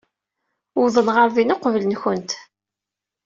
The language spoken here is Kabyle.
Uwḍen ɣer din uqbel-nwent.